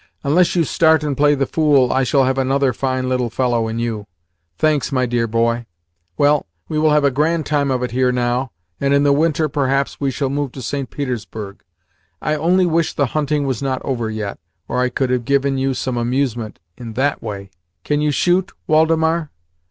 Unless you start and play the fool, I shall have another fine little fellow in you. Thanks, my dear boy. Well, we will have a grand time of it here now, and in the winter, perhaps, we shall move to St. Petersburg. I only wish the hunting was not over yet, or I could have given you some amusement in THAT way. Can you shoot, Woldemar?